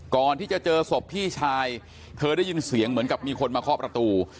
ก่อนที่จะเจอศพพี่ชายเธอได้ยินเสียงเหมือนกับมีคนมาเคาะประตู